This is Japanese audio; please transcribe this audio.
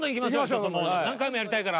何回もやりたいから。